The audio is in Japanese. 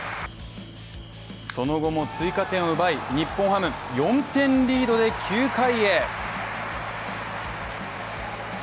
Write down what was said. その後も追加点を奪い日本ハム、４点リードで９回へ。